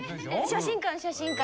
写真館写真館。